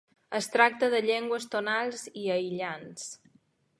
Es tracta de llengües tonals i aïllants.